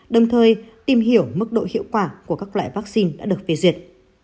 đồng thời tìm hiểu mức độ hiệu quả của các loại vaccine đã được phê duyệt